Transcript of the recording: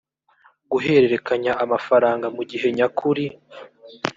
guhererekanya amafaranga mu gihe nyakuri